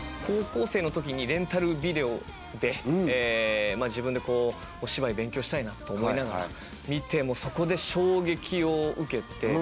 高校生の時にレンタルビデオで自分でお芝居勉強したいなと思いながら見てもうそこで衝撃を受けて。